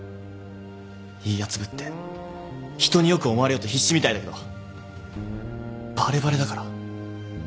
いいやつぶって人に良く思われようと必死みたいだけどバレバレだから。